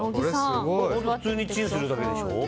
普通にチンするだけでしょ。